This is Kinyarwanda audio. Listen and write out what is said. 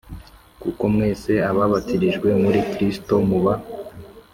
kuko mwese ababatirijwe muri Kristo muba